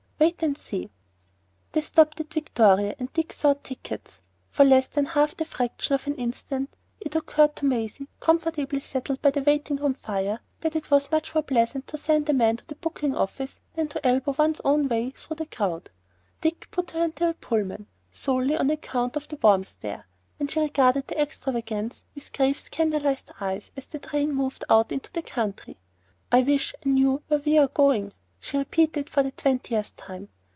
"Wait and see." They stopped at Victoria, and Dick sought tickets. For less than half the fraction of an instant it occurred to Maisie, comfortably settled by the waiting room fire, that it was much more pleasant to send a man to the booking office than to elbow one's own way through the crowd. Dick put her into a Pullman,—solely on account of the warmth there; and she regarded the extravagance with grave scandalised eyes as the train moved out into the country. "I wish I knew where we are going," she repeated for the twentieth time.